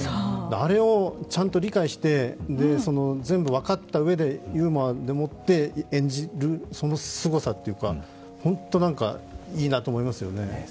あれをちゃんと理解して、全部分かったうえでユーモアで演じるそのすごさというか、本当、いいなと思いますよね。